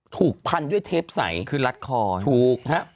ถูกพันด้วยเทปใสคือรัดคอถูกฮะ